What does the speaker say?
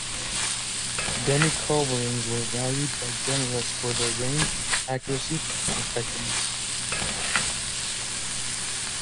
Demi-culverins were valued by generals for their range, accuracy and effectiveness.